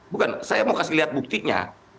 bukan saya mau kasih lihat buktinya